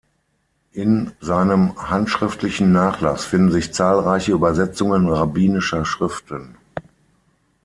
In seinem handschriftlichen Nachlass finden sich zahlreiche Übersetzungen rabbinischer Schriften.